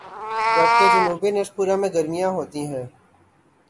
جبکہ جنوبی نصف کرہ میں گرمیاں ہوتی ہیں